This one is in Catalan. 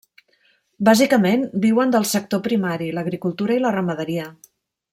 Bàsicament viuen del sector primari: l'agricultura i la ramaderia.